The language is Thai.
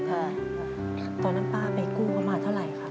ตอนนั้นป้าไปกู้เขามาเท่าไหร่ครับ